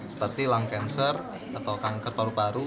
seperti long cancer atau kanker paru paru